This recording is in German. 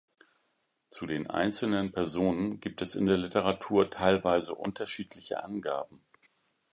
Zu den einzelnen Personen gibt es in der Literatur teilweise unterschiedliche Angaben.